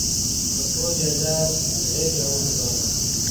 پر ټول جایداد غېږ را ورګرځوله.